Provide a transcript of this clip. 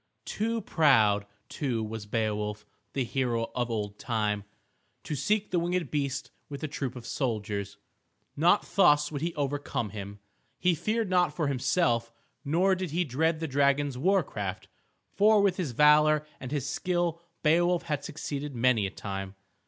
Too proud, too, was Beowulf, the hero of old time, to seek the winged beast with a troop of soldiers. Not thus would he overcome him. He feared not for himself, nor did he dread the dragon's war craft. For with his valor and his skill Beowulf had succeeded many a time.